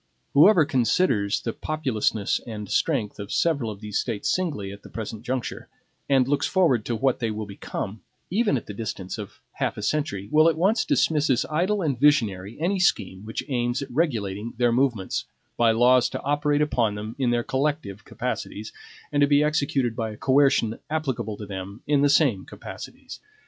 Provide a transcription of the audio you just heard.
Whoever considers the populousness and strength of several of these States singly at the present juncture, and looks forward to what they will become, even at the distance of half a century, will at once dismiss as idle and visionary any scheme which aims at regulating their movements by laws to operate upon them in their collective capacities, and to be executed by a coercion applicable to them in the same capacities.